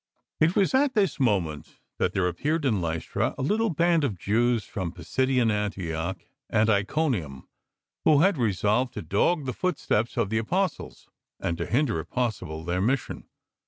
It was at this moment that there appeared in Lystra a little band of Jews from Pisidian Antioch and Iconium, who had resolved to dog the footsteps of the Apostles, and to hinder if possible their mission.